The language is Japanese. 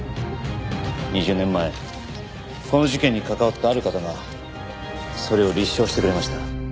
２０年前この事件に関わったある方がそれを立証してくれました。